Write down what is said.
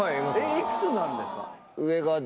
いくつになるんですか？